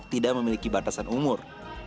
tidak memiliki batasan umur